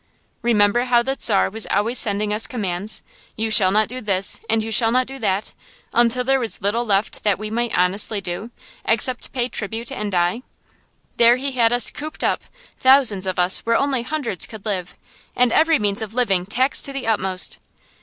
Remember how the Czar was always sending us commands, you shall not do this and you shall not do that, until there was little left that we might honestly do, except pay tribute and die. There he had us cooped up, thousands of us where only hundreds could live, and every means of living taxed to the utmost.